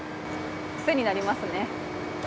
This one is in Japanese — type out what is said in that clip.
癖になりますね。